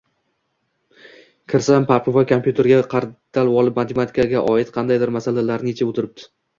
Kirsam, Parpivoy kompyuterga qadalvolib, matematikaga oid qandaydir masalalarni yechib o‘tiribdi